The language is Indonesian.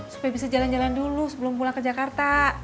supaya bisa jalan jalan dulu sebelum pulang ke jakarta